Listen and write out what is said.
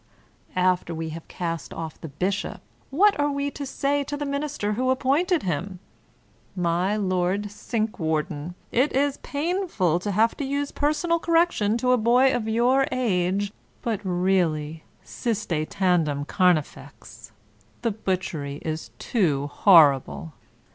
After we have cast off the bishop, what are we to say to the Minister who appointed him? My Lord Cinqwarden, it is painful to have to use personal cor rection to a boy of your age ; but really ... Siste tandem carnifex! The butchery is too horrible.